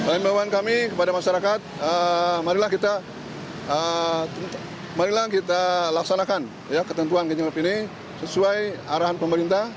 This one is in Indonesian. himbawan kami kepada masyarakat marilah kita laksanakan ketentuan ganjil genap ini sesuai arahan pemerintah